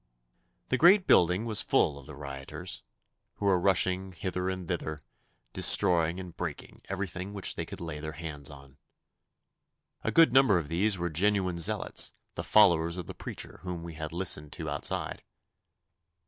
The great building was full of the rioters, who were rushing hither and thither, destroying and breaking everything which they could lay their hands on. A good number of these were genuine zealots, the followers of the preacher whom we had listened to outside.